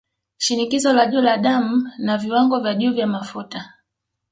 Shinikizo la juu la damu na Viwango vya juu vya Mafuta